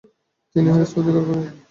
তিনি হেরাত অধিকার করেন।